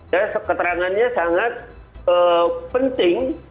dan keterangannya sangat penting